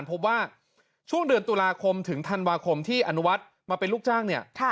พบว่าช่วงเดือนตุลาคมถึงธันวาคมที่อนุวัฒน์มาเป็นลูกจ้างเนี่ย